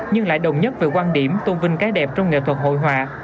nhưng lại đồng nhất về quan điểm tôn vinh cái đẹp trong nghệ thuật hội họa